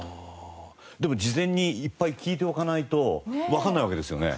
でも事前にいっぱい聴いておかないとわかんないわけですよね？